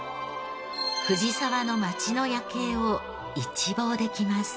藤沢の街の夜景を一望できます。